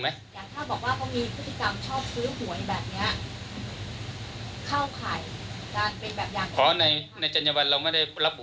แบบนี้ค่ะหรือว่าเป็นแบบ